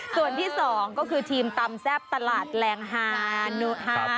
ส่วนที่สองก็คือทีมตำแทร่บตลาดแหลงหาเนี่ย